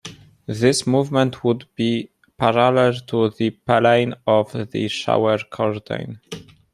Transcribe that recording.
This movement would be parallel to the plane of the shower curtain.